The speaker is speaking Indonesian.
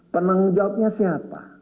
penanggung jawabnya siapa